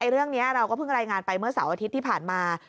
เรื่องนี้เราก็เพิ่งรายงานไปเมื่อเสาร์อาทิตย์ที่ผ่านมา